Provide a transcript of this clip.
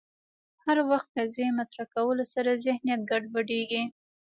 هر وخت قضیې مطرح کولو سره ذهنیت ګډوډېږي